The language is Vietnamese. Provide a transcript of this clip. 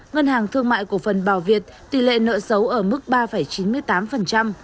ngân hàng thương mại cổ phần bảo việt tỷ lệ nợ xấu ở mức ba chín mươi tám